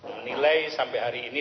menilai sampai hari ini